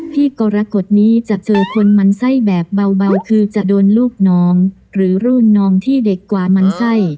กรกฎนี้จะเจอคนมันไส้แบบเบาคือจะโดนลูกน้องหรือรุ่นน้องที่เด็กกว่ามันไส้